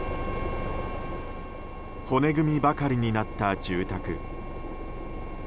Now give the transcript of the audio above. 骨組みばかりになった住宅。